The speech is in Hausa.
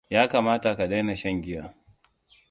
Ya kamata ka daina shan giya.